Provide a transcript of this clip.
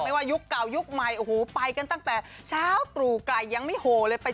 ว่ายุคเก่ายุคใหม่โอ้โหไปกันตั้งแต่เช้าตรู่ไก่ยังไม่โหเลย